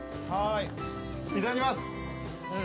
いただきます。